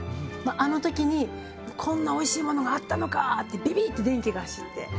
あの時に「こんなおいしいものがあったのか」ってビビッて電気が走って。